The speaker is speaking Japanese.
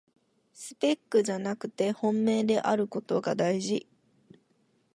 スペックじゃなくて本命であることがだいじ